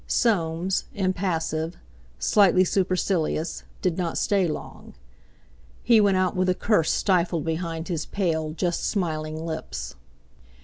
Soames, impassive, slightly supercilious, did not stay long. He went out with a curse stifled behind his pale, just smiling lips.